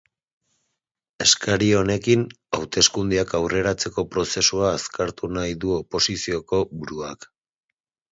Eskari honekin, hauteskundeak aurreratzeko prozesua azkartu nahi du oposizioko buruak.